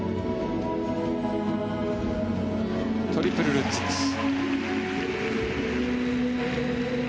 トリプルルッツです。